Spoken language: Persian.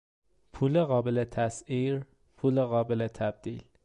پول قابل تسعیر، پول قابل تبدیل